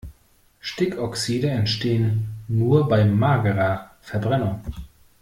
Stickoxide entstehen nur bei magerer Verbrennung.